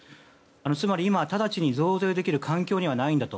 つまり今直ちに増税できる環境にはないんだと。